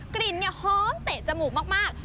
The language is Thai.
กลิ่นหอมเตะจมูกมาก